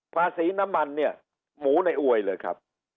ภาษีน้ำมันเนี่ยหมูในอวยเลยครับ